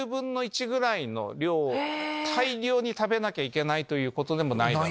大量に食べなきゃいけないということでもない。